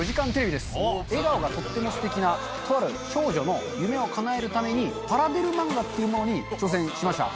笑顔がとってもステキなとある少女の夢を叶えるためにパラデル漫画っていうものに挑戦しました。